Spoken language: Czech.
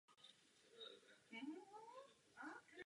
Název osady znamená "místo s mnoha kopci".